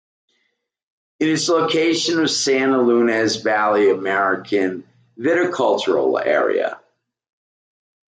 It is the location of the Santa Ynez Valley American Viticultural Area.